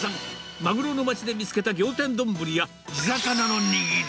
マグロの町で見つけた仰天丼や、地魚の握り。